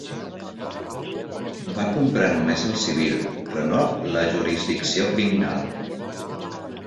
Va comprar només el civil, però no la jurisdicció criminal.